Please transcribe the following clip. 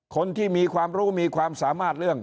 คนที่มีความรู้มีความสามารถเรื่อง